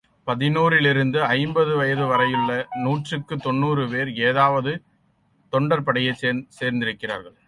பதினோறிலிருந்து ஐம்பது வயது வரையுள்ளவர்கள் நூற்றுக்குத் தொண்ணூறு பேர் ஏதாவதொரு தொண்டர்படையைச் சேர்ந்திருந்தார்கள்.